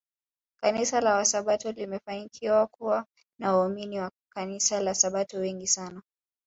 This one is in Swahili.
Kanisa la wasabato limefanukiwa kuwa na waumini wa kanisla la Sabato wengi sana